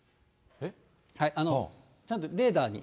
ちゃんとレーダーに。